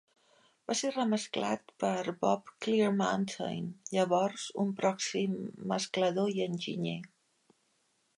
Va ser remesclat per Bob Clearmountain, llavors un pròxim mesclador i enginyer.